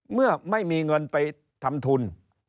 เมื่อไม่มีเงินไปทำทุน